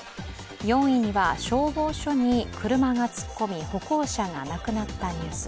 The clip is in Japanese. ４位には消防署に車が突っ込み、歩行者が亡くなったニュース。